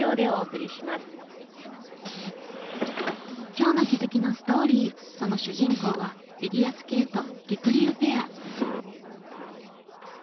今日の気づきのストーリーその主人公はフィギュアスケートりくりゅうペア。